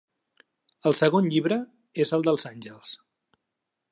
El segon llibre és el dels àngels.